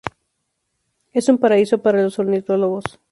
Es un paraíso para los ornitólogos.